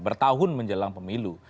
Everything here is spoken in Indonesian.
bertahun menjelang pemilu